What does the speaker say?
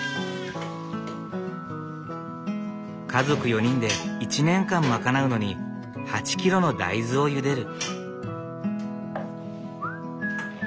家族４人で１年間賄うのに８キロの大豆をゆでる。